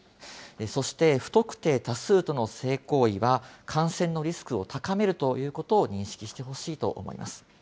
そして不特定多数との性行為は、感染のリスクを高めるということを認識してほしいと思います。